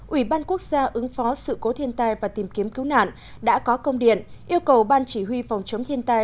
ủy ban quốc gia ứng phó sự cố thiên tai và tìm kiếm cứu nạn đã có công điện yêu cầu ban chỉ huy phòng chống thiên tai